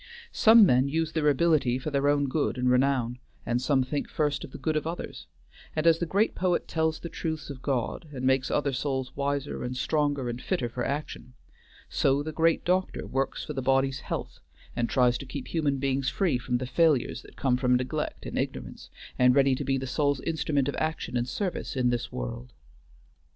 Some men use their ability for their own good and renown, and some think first of the good of others, and as the great poet tells the truths of God, and makes other souls wiser and stronger and fitter for action, so the great doctor works for the body's health, and tries to keep human beings free from the failures that come from neglect and ignorance, and ready to be the soul's instrument of action and service in this world.